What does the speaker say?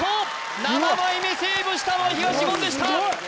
７枚目セーブしたのは東言でしたすごい！